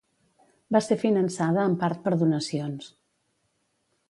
Va ser finançada en part per donacions.